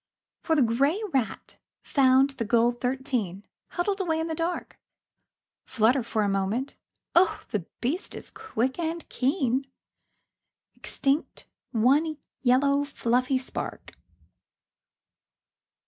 For the grey rat found the gold thirteen Huddled away in the dark, Flutter for a moment, oh the beast is quick and keen, Extinct one yellow fluffy spark.